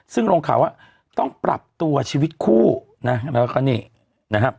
ซึ่งลงข่าวว่าต้องปรับตัวชีวิตคู่นะแล้วก็นี่นะครับ